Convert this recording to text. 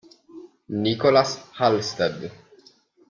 Nicholas Halsted